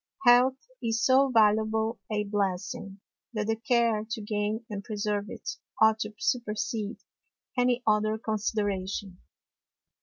Health is so valuable a Blessing, that the Care to gain and preserve it, ought to supersede any other Consideration.